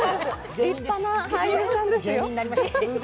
立派な俳優さんですよ。